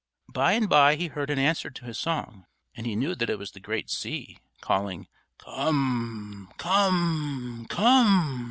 By and by he heard an answer to his song, and he knew that it was the great sea, calling "Come! Come! Come!"